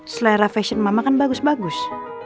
selera fashion mama kan bagus bagus